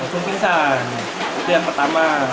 langsung pingsan itu yang pertama